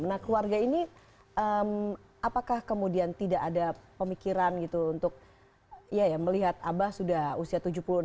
nah keluarga ini apakah kemudian tidak ada pemikiran gitu untuk melihat abah sudah usia tujuh puluh enam